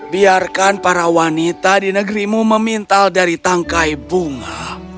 biarkan para wanita di negerimu memintal dari tangkai bunga